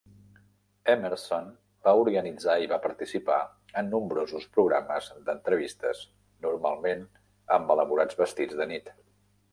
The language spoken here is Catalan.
Emerson va organitzar i va participar en nombrosos programes d'entrevistes, normalment amb elaborats vestits de nit.